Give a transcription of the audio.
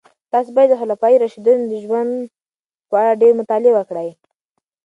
تاسو باید د خلفای راشدینو د ژوند په اړه ډېرې مطالعې وکړئ.